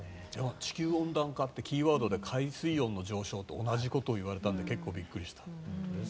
地球温暖化ってキーワードで海水温の上昇と同じことを言われたので結構びっくりした。